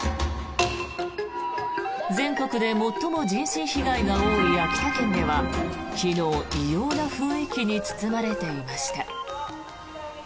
全国で最も人身被害が多い秋田県では昨日、異様な雰囲気に包まれていました。